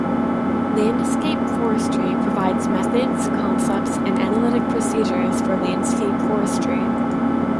Landscape forestry provides methods, concepts, and analytic procedures for landscape forestry.